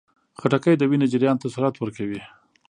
خټکی د وینې جریان ته سرعت ورکوي.